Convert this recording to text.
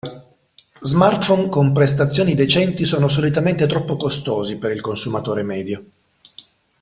Smartphone con prestazioni decenti sono solitamente troppo costosi per il consumatore medio.